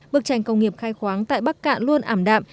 bức tranh công nghiệp khai khoáng tại bắc cạn luôn ảm đạm